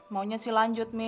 maunya sih lanjut mi